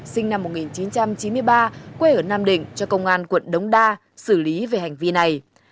sinh năm một nghìn chín trăm chín mươi ba quê ở nam định cho công an quận đống đa xử lý về hành vi này